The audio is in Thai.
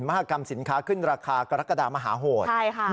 มหากรรมสินค้าขึ้นราคากรกฎามหาโหด